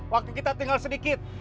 waktu kita tinggal sedikit